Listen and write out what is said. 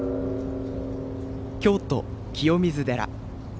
京都・清水寺。